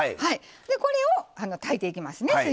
これを、炊いていきますね。